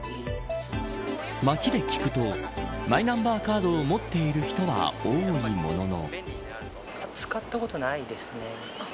街で聞くとマイナンバーカードを持っている人は多いものの。